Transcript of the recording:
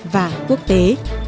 và quốc tế